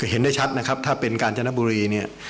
เห็นได้ชัดนะครับถ้าเป็นกาญจนบุรีเนี่ย